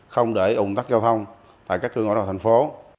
không để ủng tắc giao thông tại các cửa ngõ đoàn thành phố